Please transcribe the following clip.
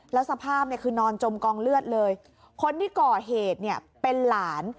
แล้วสภาพเนี่ยคือนอนจมกองเลือดเลยคนที่ก่อเหตุเนี่ยเป็นหลาน